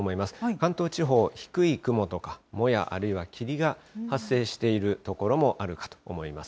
関東地方、低い雲とかもや、あるいは霧が発生している所もあるかと思います。